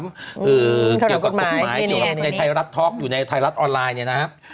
เกี่ยวกับกฎหมายเกี่ยวกับในไทยรัฐท็อกอยู่ในไทยรัฐออนไลน์เนี่ยนะครับ